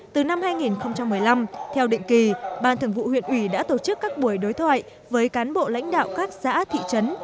từ năm hai nghìn một mươi năm theo định kỳ ban thường vụ huyện ủy đã tổ chức các buổi đối thoại với cán bộ lãnh đạo các xã thị trấn